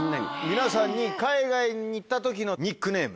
皆さんに海外に行った時のニックネーム。